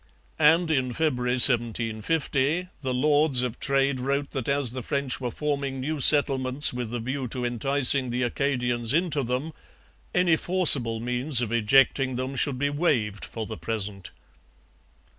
And, in February 1750, the Lords of Trade wrote that as the French were forming new settlements with a view to enticing the Acadians into them, any forcible means of ejecting them should be waived for the present.